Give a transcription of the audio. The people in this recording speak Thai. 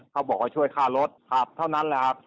เขาบอกว่าช่วยค่ารถเท่านั้นแหละครับ